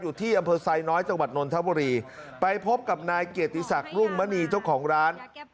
อยู่ที่อำเภอไซน้อยจังหวัดนนทบุรีไปพบกับนายเกียรติศักดิ์รุ่งมณีเจ้าของร้าน